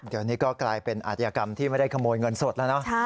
ตอนนี้ก็กลายเป็นอาจารย์กรรมที่ไม่ได้ขโมยเงินสดแล้วนะ